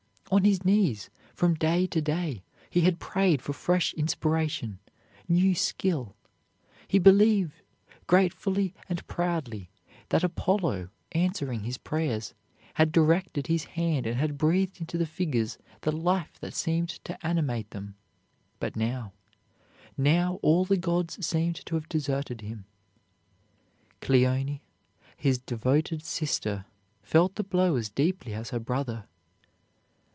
On his knees, from day to day, he had prayed for fresh inspiration, new skill. He believed, gratefully and proudly, that Apollo, answering his prayers, had directed his hand and had breathed into the figures the life that seemed to animate them; but now, now, all the gods seemed to have deserted him. Cleone, his devoted sister, felt the blow as deeply as her brother.